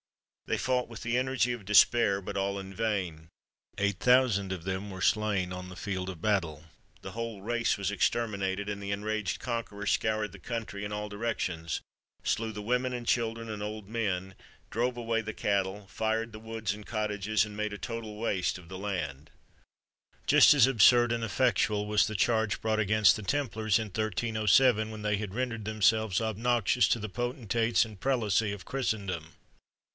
They fought with the energy of despair, but all in vain. Eight thousand of them were slain on the field of battle; the whole race was exterminated; and the enraged conquerors scoured the country in all directions, slew the women and children and old men, drove away the cattle, fired the woods and cottages, and made a total waste of the land. [Illustration: PHILIP IV.] Just as absurd and effectual was the charge brought against the Templars in 1307, when they had rendered themselves obnoxious to the potentates and prelacy of Christendom.